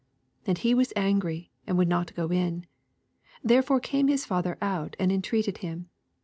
28 And he was angry, nnd would not go in : therefore came his father out, and intreated him.